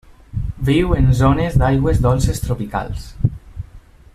Viu en zones d'aigües dolces tropicals.